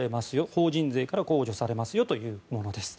法人税から控除されますというものです。